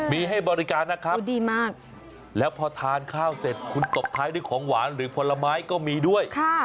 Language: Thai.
มีให้บริการนะครับแล้วพอทานข้าวเสร็จคุณตบท้ายด้วยของหวานหรือผลไม้ก็มีด้วย